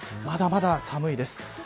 まだまだ寒いです。